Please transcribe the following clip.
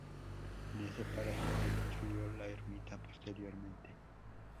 En ese paraje se construyó la ermita posteriormente.